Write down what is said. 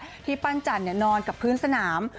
นี่แหละที่ปั้นจันทร์นอนกับพื้นสนาม